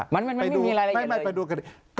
ไม่ไม่ไปดูกันนี้